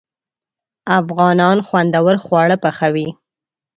افغانان خوندور خواړه پخوي.